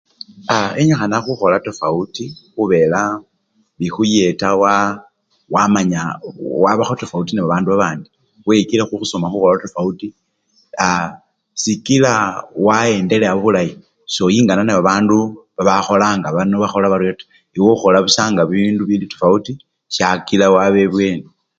Aaaa! enyikhana khukhola tafawuti khubela bikhuyeta waa! wamanya waa! wabakho tafawuti nebabandu babandi, weyikile khukhola tafawuti sikila wayendelea bulayi, soyingana nebabandu babakhola nga bano bakholabaryo taa, ewe okholanga busa bindu bili tafawuti kakila waba ebweni.